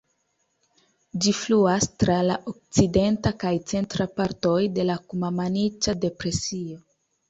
Ĝi fluas tra la okcidenta kaj centra partoj de la Kuma-Maniĉa depresio.